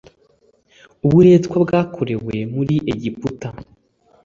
Uburetwa bwakorewe muri egiputa.